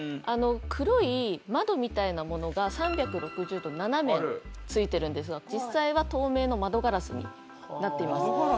黒い窓みたいな物が３６０度斜めに付いているんですが実際は透明の窓ガラスになっています。